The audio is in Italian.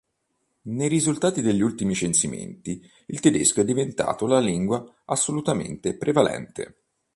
Nei risultati degli ultimi censimenti il tedesco è diventato la lingua assolutamente prevalente.